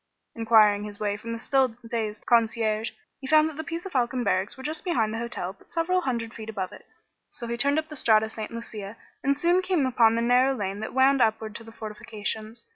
Enquiring his way from the still dazed concierge, he found that the Pizzofalcone barracks were just behind the hotel but several hundred feet above it; so he turned up the Strada St. Lucia and soon came upon the narrow lane that wound upward to the fortifications.